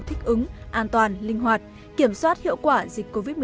thích ứng an toàn linh hoạt kiểm soát hiệu quả dịch covid một mươi chín